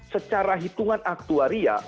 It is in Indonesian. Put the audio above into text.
secara hitungan aktuaria